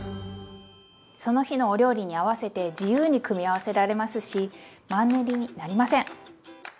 その日のお料理に合わせて自由に組み合わせられますしマンネリになりません！